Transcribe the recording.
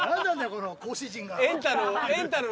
この講師陣が。